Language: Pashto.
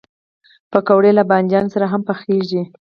پکورې له بادنجان سره هم پخېږي